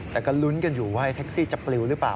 แต่ก็ลุ้นกันอยู่ว่าแท็กซี่จะปลิวหรือเปล่า